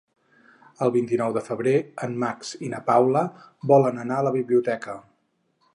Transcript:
El vint-i-nou de febrer en Max i na Paula volen anar a la biblioteca.